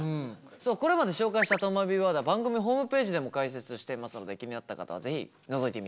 そうこれまで紹介したとまビワードは番組ホームページでも解説していますので気になった方は是非のぞいてみてください。